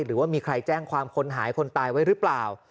หรือว่ามีใครแจ้งความคนหายคนตายไว้หรือเปล่า